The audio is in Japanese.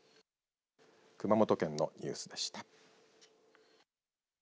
熊本県のニュースでした。